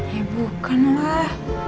ya bukan lah